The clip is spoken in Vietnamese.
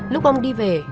lúc ông đi về